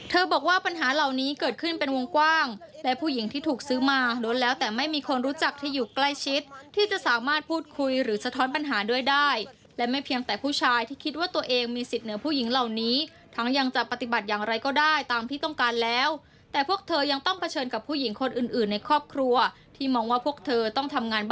เธอบอกว่าปัญหาเหล่านี้เกิดขึ้นเป็นวงกว้างและผู้หญิงที่ถูกซื้อมาโดนแล้วแต่ไม่มีคนรู้จักที่อยู่ใกล้ชิดที่จะสามารถพูดคุยหรือสะท้อนปัญหาด้วยได้และไม่เพียงแต่ผู้ชายที่คิดว่าตัวเองมีสิทธิ์เหนือผู้หญิงเหล่านี้ทั้งยังจะปฏิบัติอย่างไรก็ได้ตามที่ต้องการแล้วแต่พวกเธอยังต้องเผชิญกับ